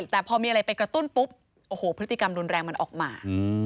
แต่พอมีอะไรไปกระตุ้นปุ๊บโอ้โหพฤติกรรมรุนแรงมันออกมา